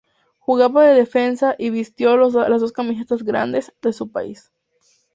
Jugaba de defensa y vistió las dos camisetas "grandes" de su país.